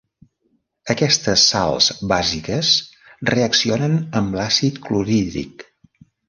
Aquestes sals bàsiques reaccionen amb l'àcid clorhídric.